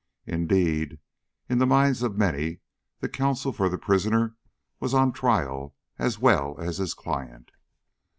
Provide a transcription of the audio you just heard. Indeed, in the minds of many the counsel for the prisoner was on trial as well as his client.